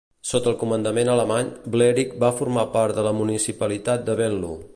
Sota el comandament alemany, Blerick va formar part de la municipalitat de Venlo.